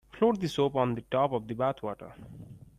Float the soap on top of the bath water.